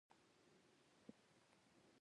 هلک د عدالت ملاتړ کوي.